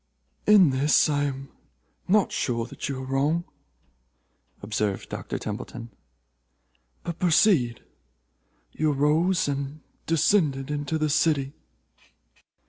"In this I am not sure that you are wrong," observed Dr. Templeton, "but proceed. You arose and descended into the city."